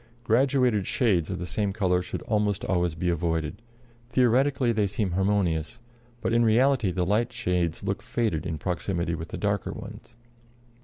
Graduated shades of the same color should almost always be avoided; theoretically they seem harmonious, but in reality the light shades look faded in proximity with the darker ones.